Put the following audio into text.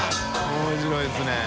面白いですね。